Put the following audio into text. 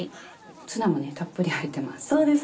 ツナもたっぷり入ってます。